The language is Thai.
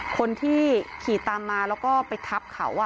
คนที่ขี่ตามมาแล้วก็ไปทับเขา